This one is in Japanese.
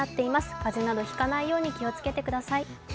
風邪などひかないように気をつけてください。